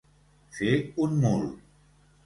Fer un mul.